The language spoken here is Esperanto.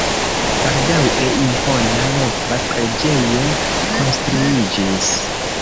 Baldaŭe impona, nova preĝejo konstruiĝis.